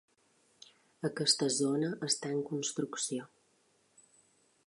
Aquesta zona està en construcció.